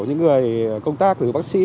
những người công tác bác sĩ